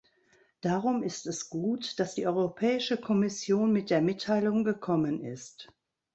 Darum ist es gut, dass die Europäische Kommission mit der Mitteilung gekommen ist.